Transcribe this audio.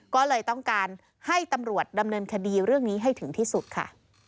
ก็เลยต้องการให้ตำรวจดำเนินคดีเรื่องนี้ให้ถึงที่สุดค่ะ